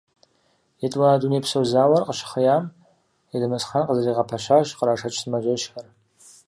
ЕтӀуанэ Дунейпсо зауэр къыщыхъейм, Елмэсхъан къызэригъэпэщащ кърашэкӀ сымаджэщхэр.